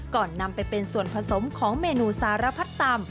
นำไปเป็นส่วนผสมของเมนูสารพัดตำ